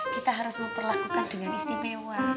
kita harus memperlakukan dengan istimewa